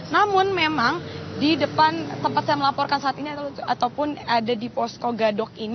namun memang di depan tempat saya melaporkan saat ini ataupun ada di posko gadok ini